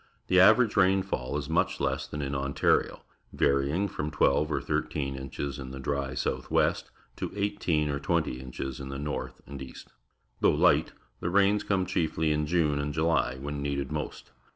The average rainfall is much less than in Ontario, varying from twelve or thirteen inches in the dry south west to eighteen or twenty inches in the north and east. Though Ught, the rains come chiefly in June and July, when needed most.